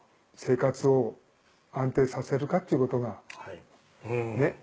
生活を安定させるかっていうことがね